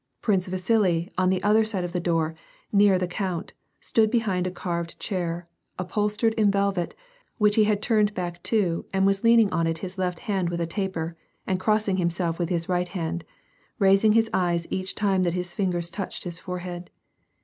Prince Vasili on the other side of the door, nearer the count, stood behind a carved chair, up holstered in velvet, which he had turned back to and was leaning on it his left hand with a taper, and crossing himself with his right hand, raising his eyes each time that his fingers touched his forehead.